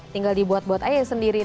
tinggal dibuat buat aja sendiri